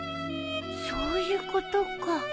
そういうことか。